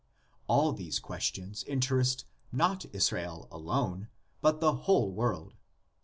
All these questions interest not Israel alone, but the whole world.